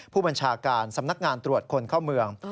ผู้บัญชาการสำนักงานตรวจคนเข้าเมือง